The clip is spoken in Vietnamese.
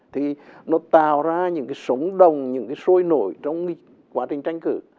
thì nó tạo ra những cái sống đồng những cái sôi nổi trong quá trình tranh cử